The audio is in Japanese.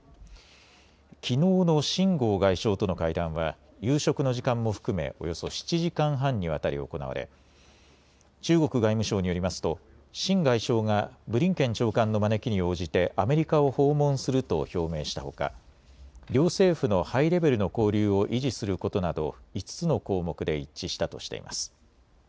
きのうの秦剛外相との会談は夕食の時間も含めおよそ７時間半にわたり行われ中国外務省によりますと秦外相がブリンケン長官の招きに応じてアメリカを訪問すると表明したほか両政府のハイレベルの交流を維持することなど５つの項目で一致したとしています。